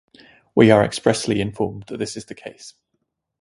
We are expressly informed that this is the case.